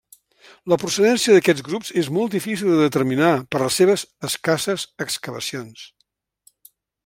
La procedència d'aquests grups és molt difícil de determinar per les escasses excavacions.